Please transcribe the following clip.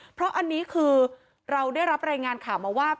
เพราะอันนี้คือเราได้รับรายงานข่าวมาว่า